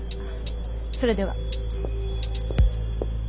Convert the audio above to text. それでは。